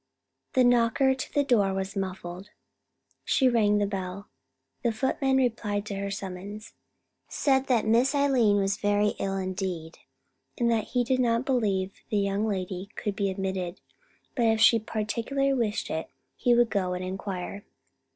The knocker to the door was muffled. She rang the bell. The footman replied to her summons, said that Miss Eileen was very ill indeed, and that he did not believe the young lady could be admitted, but if she particularly wished it, he would go and inquire.